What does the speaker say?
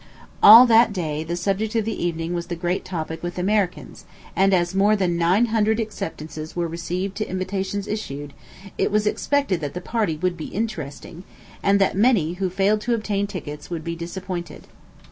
All that day the subject of the evening was the great topic with Americans; and as more than nine hundred acceptances were received to invitations issued, it was expected that the party would be interesting, and that many, who failed to obtain tickets, would be disappointed.